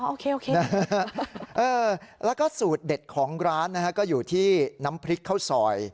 โอเคแล้วก็สูตรเด็ดของร้านนะฮะก็อยู่ที่น้ำพริกข้าวซอย